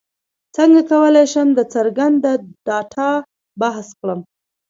څنګه کولی شم د ګرځنده ډاټا بچت کړم